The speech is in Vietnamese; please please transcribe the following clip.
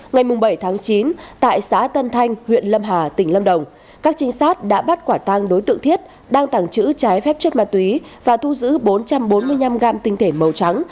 ngày bảy chín tại xã tân thanh huyện lâm hà tỉnh lâm đồng các trinh sát đã bắt quả tăng đối tượng thiết đang tàng trữ trái phép chất ma túy và thu giữ bốn trăm bốn mươi năm gram tinh thể màu trắng